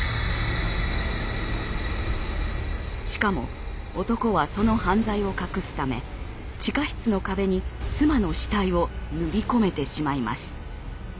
しかも男はその犯罪を隠すため地下室の壁に妻の死体を塗り込めてしまいます。